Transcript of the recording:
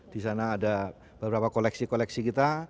disana ada beberapa koleksi koleksi kita